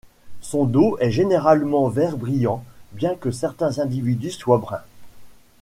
Son dos est généralement vert brillant bien que certains individus soient bruns.